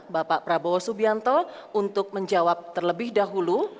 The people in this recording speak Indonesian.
bapak prabowo subianto untuk menjawab terlebih dahulu